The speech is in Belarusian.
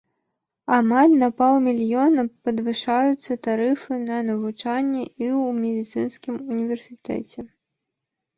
Амаль на паўмільёна падвышаюцца тарыфы на навучанне і ў медыцынскім універсітэце.